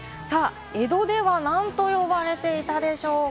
江戸では何と呼ばれていたでしょうか？